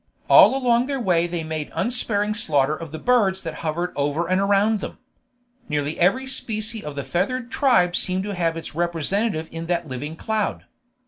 All along their way they made unsparing slaughter of the birds that hovered over and around them. Nearly every species of the feathered tribe seemed to have its representative in that living cloud.